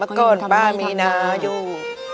เมื่อก่อนป้ามีนาอยู่